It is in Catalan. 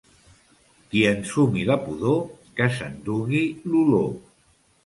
Qui ensumi la pudor, que s'endugui l'olor.